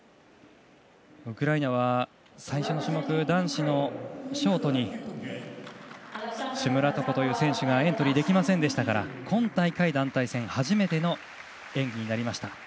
ウクライナは、最初の種目男子のショートにシュムラトコという選手がエントリーできませんでしたから今大会初めての演技になりました